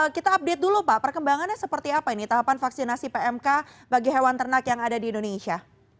kita update dulu pak perkembangannya seperti apa ini tahapan vaksinasi pmk bagi hewan ternak yang ada di indonesia